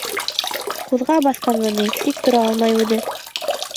Ҡуҙға баҫҡанмы ни, тик тора алмай үҙе.